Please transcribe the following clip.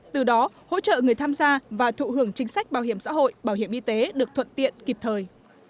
từ đó hỗ trợ người tham gia và thụ hưởng chính sách bảo hiểm xã hội bảo hiểm y tế được thuận tiện kịp thời